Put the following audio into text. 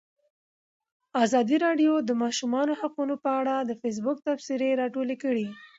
ازادي راډیو د د ماشومانو حقونه په اړه د فیسبوک تبصرې راټولې کړي.